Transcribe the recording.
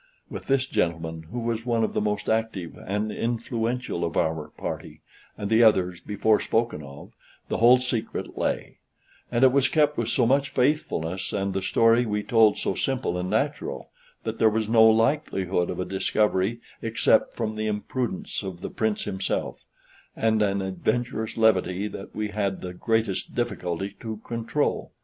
With this gentleman, who was one of the most active and influential of our party, and the others before spoken of, the whole secret lay; and it was kept with so much faithfulness, and the story we told so simple and natural, that there was no likelihood of a discovery except from the imprudence of the Prince himself, and an adventurous levity that we had the greatest difficulty to control.